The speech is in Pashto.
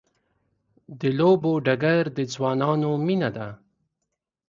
د لوبو ډګر د ځوانانو مینه ده.